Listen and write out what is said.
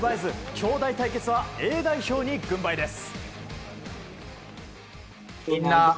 兄弟対決はＡ代表に軍配です。